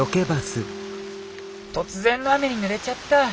「突然の雨にぬれちゃった。